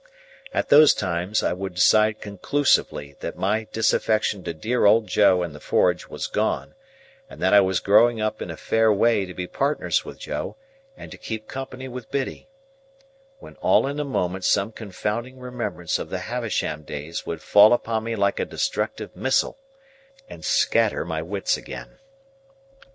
At those times, I would decide conclusively that my disaffection to dear old Joe and the forge was gone, and that I was growing up in a fair way to be partners with Joe and to keep company with Biddy,—when all in a moment some confounding remembrance of the Havisham days would fall upon me like a destructive missile, and scatter my wits again.